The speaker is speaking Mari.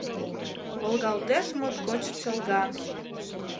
Волгалтеш моткоч чолган.